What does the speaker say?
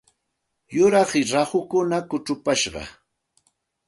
Yuraq rahukuna kuchupashqa.